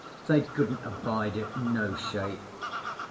They couldn't abide it no shape.